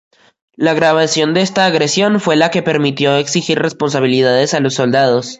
La grabación de esta agresión fue la que permitió exigir responsabilidades a los soldados.